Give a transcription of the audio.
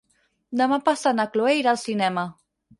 Demà passat na Cloè irà al cinema.